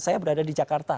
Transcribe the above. saya berada di jakarta